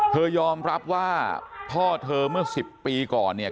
ยอมรับว่าพ่อเธอเมื่อ๑๐ปีก่อนเนี่ย